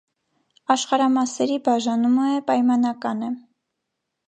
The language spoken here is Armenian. Աշխարհամասերի բաժանումը է պայմանական է։